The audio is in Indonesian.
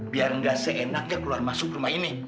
biar nggak seenaknya keluar masuk rumah ini